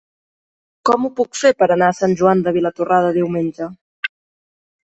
Com ho puc fer per anar a Sant Joan de Vilatorrada diumenge?